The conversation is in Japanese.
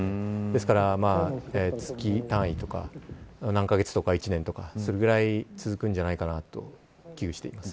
ですから、月単位とか何カ月とか１年とかそれぐらい続くんじゃないかと危惧しています。